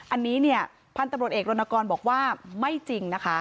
อันนี้เนี่ยพันธุ์ตำรวจเอกรณกรบอกว่าไม่จริงนะคะ